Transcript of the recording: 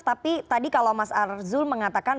tapi tadi kalau mas arzul mengatakan